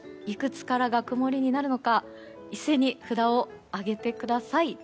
いくつからが曇りになるのか一斉に札を挙げてください。